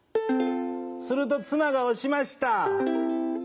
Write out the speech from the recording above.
すると妻が押しました。